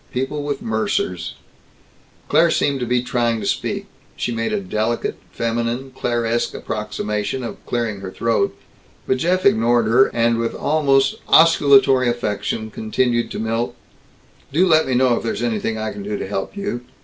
People with Mercers Claire seemed to be trying to speak. She made a delicate, feminine, clairesque approximation to clearing her throat. But Jeff ignored her and with almost osculatory affection continued to Milt: "Do let me know if there's anything I can do to help you.